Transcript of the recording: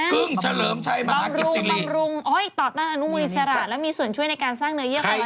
กึ้งเฉลิมใช้มหากิสซีรีส์บำรุงตอบตั้งอนุมูลิสาระและมีส่วนช่วยในการสร้างเนื้อเยี่ยมคอลลาเจน